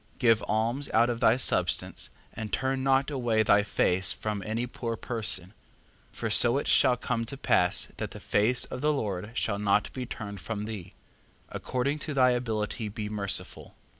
4:7. Give alms out of thy substance, and turn not away thy face from any poor person: for so it shall come to pass that the face of the Lord shall not be turned from thee. 4:8. According to thy ability be merciful.